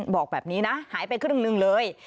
บอกแบบนี้นะหายไปครึ่งหนึ่งเลย